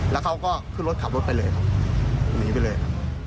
แล้วเขาก็ขึ้นรถขับรถไปเลยหนีไปเลย